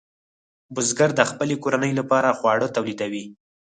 بزګر د خپلې کورنۍ لپاره خواړه تولیدوي.